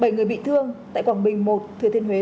bảy người bị thương tại quảng bình một thừa thiên huế